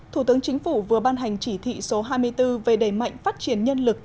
thủ tướng chính phủ vừa ban hành chỉ thị số hai mươi bốn về đẩy mạnh phát triển nhân lực